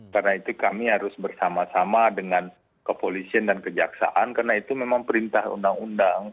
karena itu kami harus bersama sama dengan kepolisian dan kejaksaan karena itu memang perintah undang undang